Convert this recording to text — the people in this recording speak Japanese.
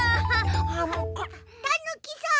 たぬきさん！